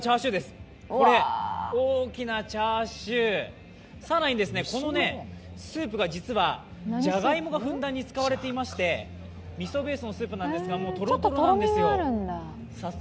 大きなチャーシュー、更にスープが実はじゃがいもがふんだんに使われていましてみそベースのスープなんですが、とろとろなんですよ。